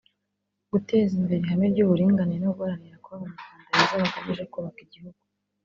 guteza imbere ihame ry’uburinganire no guharanira kuba Abanyarwanda beza bagamije kubaka igihugu